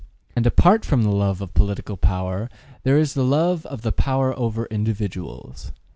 And apart from the love or political power, there is the love of power over individuals.